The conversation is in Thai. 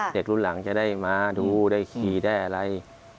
เด็กรุ่นหลังจะได้มาดูได้ขี่ได้อะไร